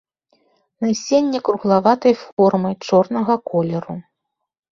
Насенне круглаватай формы, чорнага колеру.